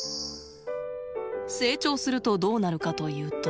成長するとどうなるかというと。